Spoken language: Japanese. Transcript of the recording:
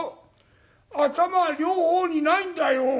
頭は両方にないんだよ。